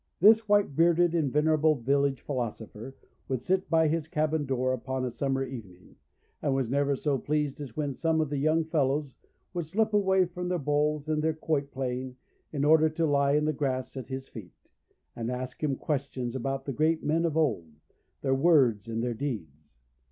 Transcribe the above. This white bearded and venerable village philosopher would sit by his cabin door upon a summer evening, and was never so pleased as when some of the young fellows would slip away from their bowls and their quoit playing in order to lie in the grass at his feet, and ask him questions about the great men of old, their words and their deeds.